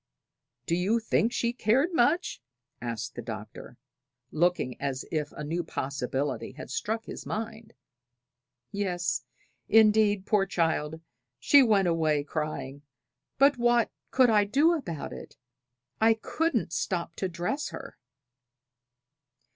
"Do you think she cared much?" asked the Doctor, looking as if a new possibility had struck his mind. "Yes, indeed, poor child, she went away crying; but what could I do about it? I couldn't stop to dress her."